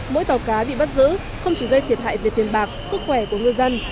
mỗi tàu cá bị bắt giữ không chỉ gây thiệt hại về tiền bạc sức khỏe của ngư dân